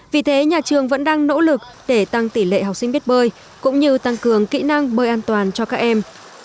vì thế nhà trường vẫn đang nỗ lực để tăng tỷ lệ học sinh biết bơi cũng như tăng cường kỹ năng bơi an toàn cho các em